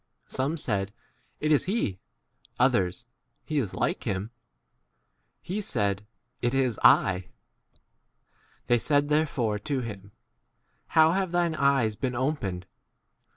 Some said, It is he ; b others, He is like him : lie said, 10 It is I.* They said therefore to him, How d have thine eyes been 11 opened